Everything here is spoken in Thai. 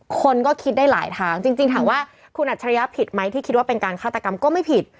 คนก็คิดได้หลายทางจริงถามว่าคุณอัจฉริยะผิดไหมที่คิดว่าเป็นการฆาตกรรมก็ไม่ผิด